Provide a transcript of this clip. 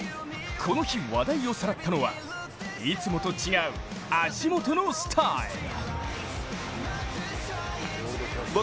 この日話題をさらったのはいつもと違う足元のスタイル。